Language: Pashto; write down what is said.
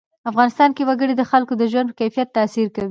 افغانستان کې وګړي د خلکو د ژوند په کیفیت تاثیر کوي.